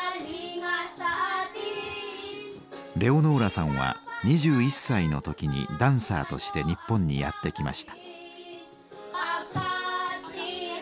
レオノーラさんは２１歳の時にダンサーとして日本にやって来ました。